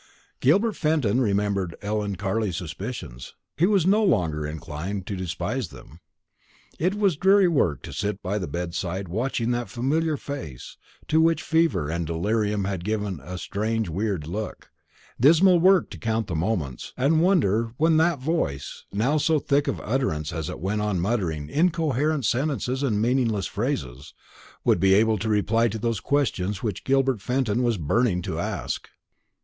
Gilbert Fenton remembered Ellen Carley's suspicions. He was no longer inclined to despise them. It was dreary work to sit by the bedside watching that familiar face, to which fever and delirium had given a strange weird look; dismal work to count the moments, and wonder when that voice, now so thick of utterance as it went on muttering incoherent sentences and meaningless phrases, would be able to reply to those questions which Gilbert Fenton was burning to ask.